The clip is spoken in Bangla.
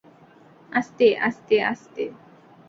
আস্তে, আস্তে, আস্তে।